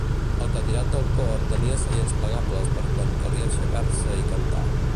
El cadirat del cor tenia seients plegables per quan calia aixecar-se i cantar.